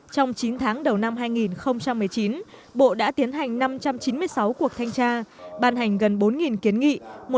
trong chín tháng đầu năm hai nghìn một mươi chín bộ đã tiến hành năm trăm chín mươi sáu cuộc thanh tra ban hành gần bốn kiến nghị